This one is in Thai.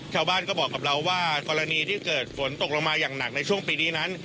ชาวบ้านก็บอกกับเราว่ากรณีที่เกิดฝนตกลงมาอย่างหนักในช่วงปีนี้นั้น